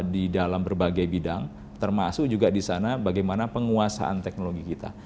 di dalam berbagai bidang termasuk juga di sana bagaimana penguasaan teknologi kita